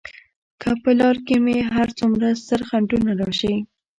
که په لار کې مې هر څومره ستر خنډونه راشي.